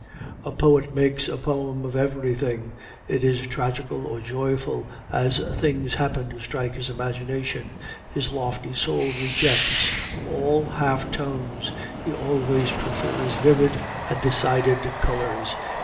A poet makes a poem of everything; it is tragical or joyful, as things happen to strike his imagination; his lofty soul rejects all half tones; he always prefers vivid and decided colors.